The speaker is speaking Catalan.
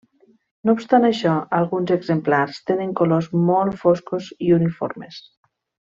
No obstant això, alguns exemplars tenen colors molt foscos i uniformes.